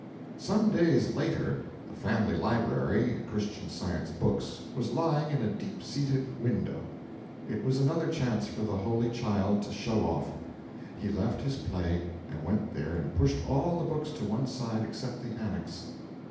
Some days later, the family library Christian Science books was lying in a deep seated window. It was another chance for the holy child to show off. He left his play and went there and pushed all the books to one side except the Annex.